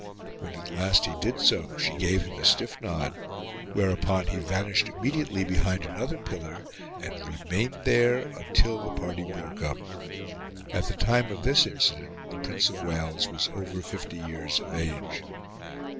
When at last he did so, she gave him a stiff nod, whereupon he vanished immediately behind another pillar, and remained there until the party broke up. At the time of this incident the Prince of Wales was over fifty years of age.